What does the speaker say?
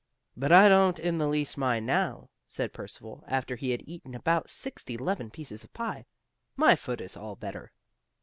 "But I don't in the least mind now," said Percival, after he had eaten about sixty 'leven pieces of the pie. "My foot is all better."